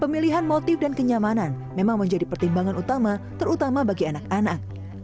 pemilihan motif dan kenyamanan memang menjadi pertimbangan utama terutama bagi anak anak